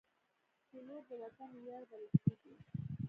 پیلوټ د وطن ویاړ بلل کېږي.